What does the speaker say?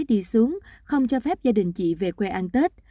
đi xuống không cho phép gia đình chị về quê ăn tết